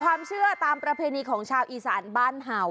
ตามประเพณีของชาวอีสานบ้านเห่า